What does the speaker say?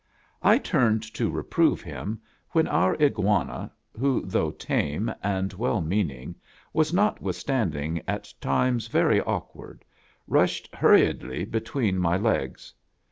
I turned to reprove him, when our Iguana, who, though tame and well meaning, was notwithstanding at times very awkward, rushed hurriedly between my legs.